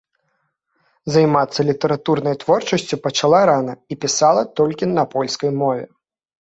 Займацца літаратурнай творчасцю пачала рана і пісала толькі на польскай мове.